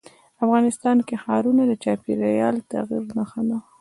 افغانستان کې ښارونه د چاپېریال د تغیر نښه ده.